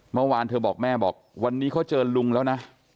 เมื่อวานเธอบอกแม่บอกวันนี้เขาเจอลุงแล้วนะ